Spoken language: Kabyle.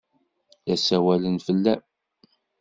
La ssawalen fell-am.